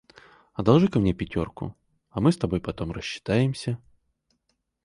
Одолжи-ка мне пятерку, а мы с тобой потом рассчитаемся.